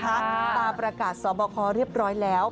ตาประกาศสอบคอเรียบร้อยแล้ว